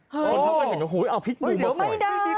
คนเขาก็เห็นว่าเอาพิษบูมาปล่อย